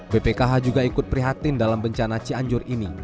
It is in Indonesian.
bpkh juga ikut prihatin dalam bencana cianjur ini